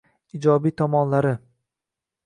Ijobiy tomonlari